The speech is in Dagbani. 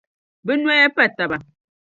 Bɛ nɔya pa taba.